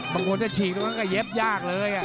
บางคนจะฉีกตรงนั้นก็เย็บยากเลย